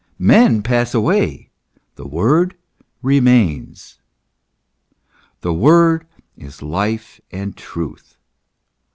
Men pass away, the word remains ; the word is life and truth.